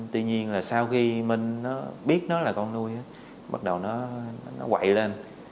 tuy nhiên sau khi minh biết nó là con nuôi bắt đầu nó quậy lên